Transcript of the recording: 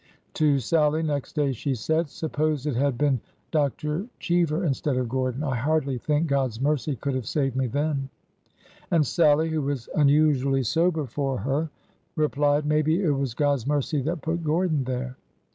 To Sallie next day she said : Suppose it had been Dr. Cheever instead of Gordon ! I hardly think God's mercy could have saved me then." And Sallie, who was unusually sober for her, replied: '' Maybe it was God's mercy that put Gordon there."